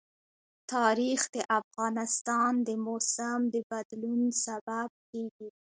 تاریخ د افغانستان د موسم د بدلون سبب کېږي.